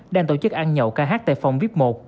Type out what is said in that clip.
đang tổ chức ăn nhậu ca tại phòng vip một